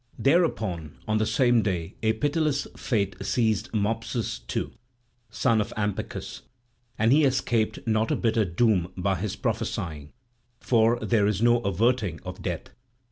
Thereupon on the same day a pitiless fate seized Mopsus too, son of Ampycus; and he escaped not a bitter doom by his prophesying; for there is no averting of death.